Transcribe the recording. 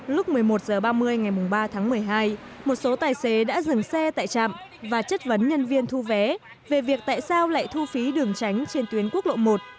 lúc một mươi một h ba mươi ngày ba tháng một mươi hai một số tài xế đã dừng xe tại trạm và chất vấn nhân viên thu vé về việc tại sao lại thu phí đường tránh trên tuyến quốc lộ một